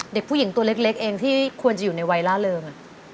เด็กผู้หญิงตัวเล็กเองที่ควรจะอยู่ในวัยล่าเริง